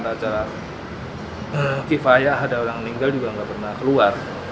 ada acara kifayah ada orang yang ninggal juga gak pernah keluar